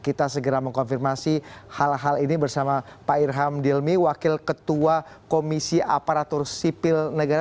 kita segera mengkonfirmasi hal hal ini bersama pak irham dilmi wakil ketua komisi aparatur sipil negara